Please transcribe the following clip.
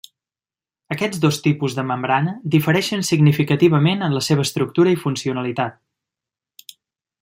Aquests dos tipus de membrana difereixen significativament en la seva estructura i funcionalitat.